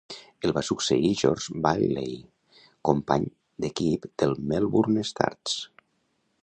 El va succeir George Bailey, company d'equip del Melbourne Stars.